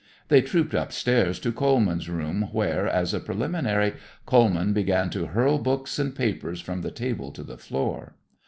They trooped upstairs to Coleman's rooms, where, as a preliminary, Coleman began to hurl books and papers from the table to the floor.